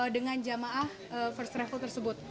dengan jamaah first travel tersebut